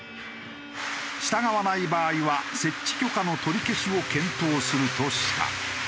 従わない場合は設置許可の取り消しを検討するとした。